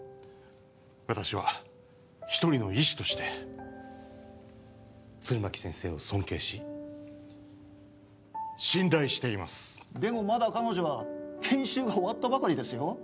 私は一人の医師として弦巻先生を尊敬し信頼していますでもまだ彼女は研修が終わったばかりですよ